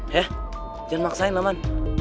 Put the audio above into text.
ya jangan maksain lah man